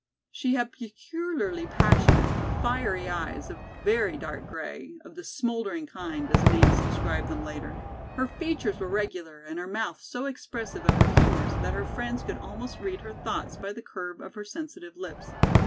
She had peculiarly passionate, fiery eyes of very dark gray, of the "smouldering kind," as Nance described them later; her features were regular and her mouth so expressive of her humors that her friends could almost read her thoughts by the curve of her sensitive lips.